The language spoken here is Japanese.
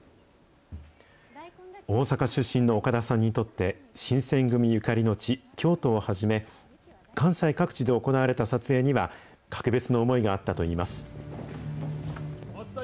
大阪出身の岡田さんにとって、新選組ゆかりの地、京都をはじめ、関西各地で行われた撮影には、格別の思いがあったといいます。